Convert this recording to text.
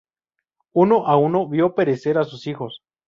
Uno a uno vio perecer a sus hijos.